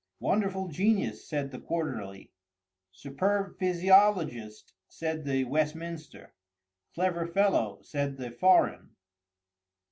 "Wonderful genius!" said the Quarterly. "Superb physiologist!" said the Westminster. "Clever fellow!" said the Foreign.